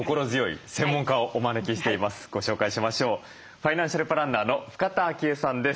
ファイナンシャルプランナーの深田晶恵さんです。